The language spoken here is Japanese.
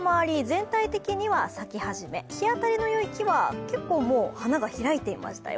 全体的には咲き初め、日当たりのよい木は結構、花が開いていましたよ。